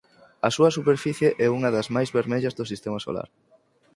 A súa superficie é unha das máis vermellas do Sistema Solar.